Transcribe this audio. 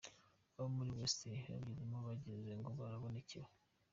Abo muri West bayigezemo bagizengo barabonekewe.